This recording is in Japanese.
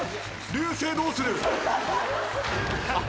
流星どうする？